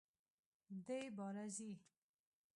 دی باره ځي!